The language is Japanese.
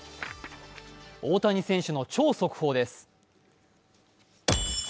大谷選手の超速報です。